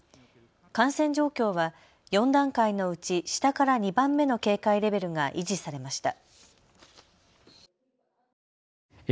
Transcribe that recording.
感染状況は４段階のうち下から２番目の警戒レベルが維持されました。